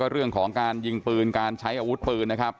เรื่องของการยิงปืนการใช้อาวุธปืนนะครับ